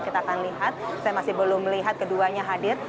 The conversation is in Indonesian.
kita akan lihat saya masih belum melihat keduanya hadir